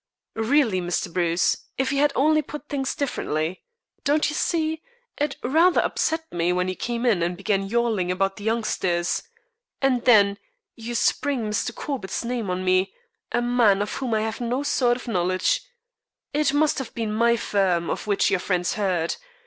"Really, Mr. Bruce, if you had only put things differently. Don't you see, it rather upset me when you came in and began jawing about the youngsters. And then you spring Mr. Corbett's name on me a man of whom I have no sort of knowledge. It must have been my firm of which your friends heard.